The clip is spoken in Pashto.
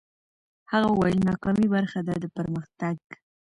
هغه وویل، ناکامي برخه ده د پرمختګ.